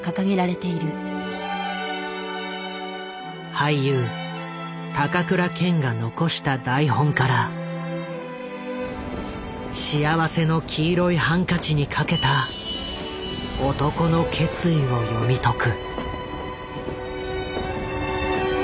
俳優高倉健が残した台本から「幸福の黄色いハンカチ」に懸けた男の決意を読み解く。